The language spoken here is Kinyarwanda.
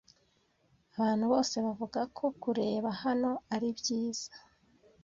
Abantu bose bavuga ko kureba hano ari byiza.